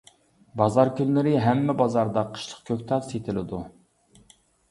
بازار كۈنلىرى ھەممە بازاردا قىشلىق كۆكتات سېتىلىدۇ.